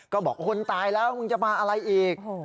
ก็บอกคนตายแล้วมึงจะมาอะไรอีก